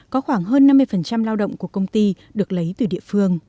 có khoảng hơn năm mươi lao động của công ty được lấy từ địa phương